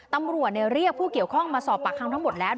ตำรวจเรียกผู้เกี่ยวข้องมาสอบปากคำทั้งหมดแล้ว